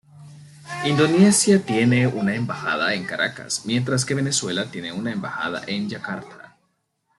Indonesia tiene una embajada en Caracas, mientras que Venezuela tiene una embajada en Yakarta.